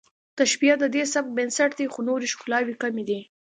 تشبیه د دې سبک بنسټ دی خو نورې ښکلاوې کمې دي